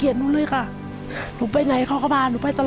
ดีใจค่ะ